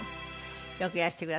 よくいらしてくださいました。